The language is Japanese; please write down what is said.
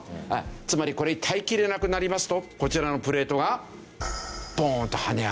つまりこれに耐えきれなくなりますとこちらのプレートがボーン！と跳ね上がる。